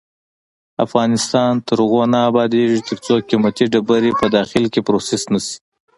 افغانستان تر هغو نه ابادیږي، ترڅو قیمتي ډبرې په داخل کې پروسس نشي.